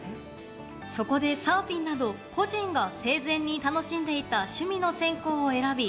そこで、サーフィンなど故人が生前に楽しんでいた趣味の線香を選び